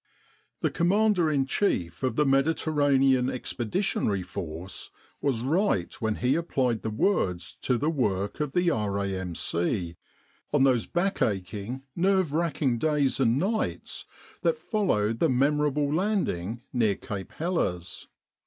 The Commander in Chief of the Mediterranean Expeditionary Force was right when he applied the words to the work of the R.A.M.C. on those back aching, nerve racking days and nights that followed the memorable landing near Cape Helles.